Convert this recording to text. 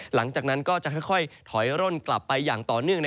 หลังจากนั้นก็จะค่อยถอยร่นกลับไปอย่างต่อเนื่อง